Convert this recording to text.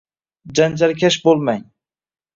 Janjalkash bo‘lmang.